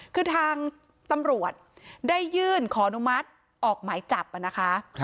คือทางตำรวจได้ยื่นขออนุมัติออกหมายจับนะคะ